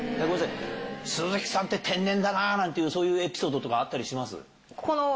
ごめんなさい、鈴木さんって天然だななんていう、そういうエピソードとかあったりします？